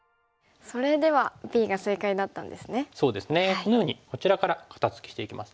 このようにこちらから肩ツキしていきます。